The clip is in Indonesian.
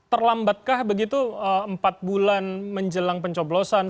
terlambatkah begitu empat bulan menjelang pencoblosan